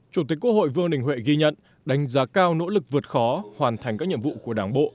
chủ tịch quốc hội vương đình huệ ghi nhận đánh giá cao nỗ lực vượt khó hoàn thành các nhiệm vụ của đảng bộ